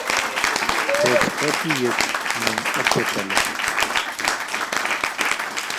Tech katuiyet ng'uung ak cheptailel